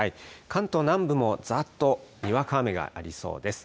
関東南部もざっとにわか雨がありそうです。